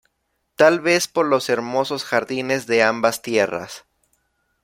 Tal vez por los hermosos jardines de ambas tierras.